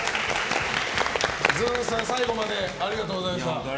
ずんさん、最後までありがとうございました。